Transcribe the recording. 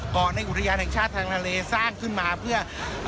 ในอุทยานแห่งชาติทางทะเลสร้างขึ้นมาเพื่อ